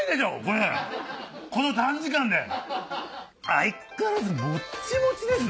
相変わらずもっちもちですね。